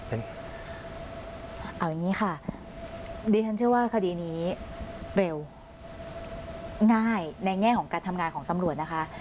เอาอย่างนี้ค่ะดิฉันเชื่อว่าคดีนี้เร็วง่ายในแง่ของการทำงานของตำรวจนะคะ